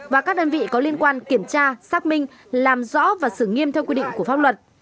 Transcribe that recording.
và các đơn vị có liên quan kiểm tra xác minh làm rõ và xử nghiêm theo quy định của pháp luật